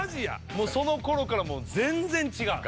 もうその頃から全然違う。